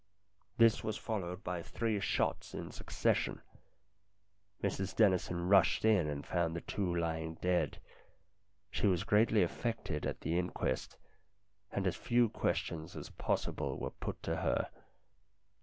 This was followed by three shots in succession. Mrs Dennison rushed in and found the two lying dead. She was greatly affected at the inquest, and as few questions as possible were put to her.